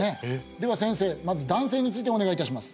では先生まず男性についてお願いいたします